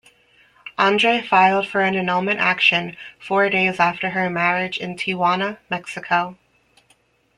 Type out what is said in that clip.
Andre filed for an annulment action four days after her marriage in Tijuana, Mexico.